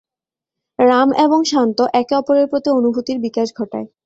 রাম এবং শান্ত একে অপরের প্রতি অনুভূতির বিকাশ ঘটায়।